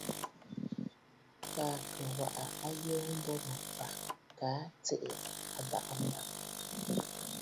Kaa à kɨ̀ waʼa ayoo a mbo mə̀ fâ, kaa tsiʼì àbàʼa mbàŋ!